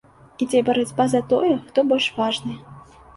Ідзе барацьба за тое, хто больш важны.